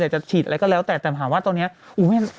จะฉีดอะไรก็แล้วแต่แต่ถามว่าตอนนี้